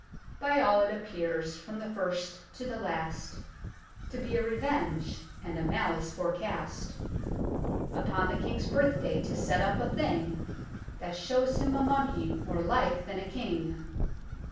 By all it appears, from the first to the last, To be a Revenge, and a Malice forecast, Upon the King's Birth day to set up a thing That shows him a Monkey more like than a King.